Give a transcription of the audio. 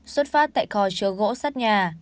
xuất phát tại kho chứa gỗ sắt nhà